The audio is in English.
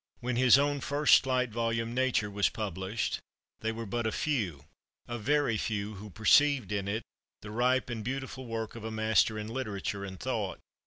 When his own first slight volume, "Nature," was published, they were but a few, a very few, who perceived in it the ripe and beautiful work of a master in literature and thought.